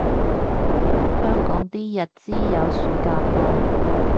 香港啲日資有暑假放